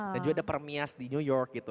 dan juga ada permias di new york gitu